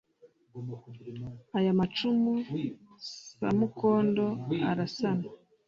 aya macumu samukondo arasana